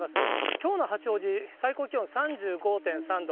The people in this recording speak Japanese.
きょうの八王子、最高気温３５．３度。